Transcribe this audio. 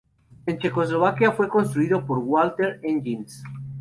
En Checoslovaquia fue construido por Walter Engines.